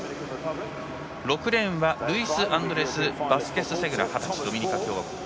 ６レーンはルイスアンドレス・バスケスセグラ二十歳、ドミニカ共和国。